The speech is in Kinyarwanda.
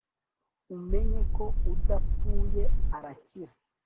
umenye ko udapfuye arakira